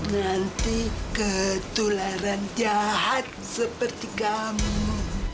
nanti ketularan jahat seperti kamu